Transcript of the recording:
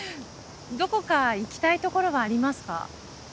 どこか行きたいところはありますか？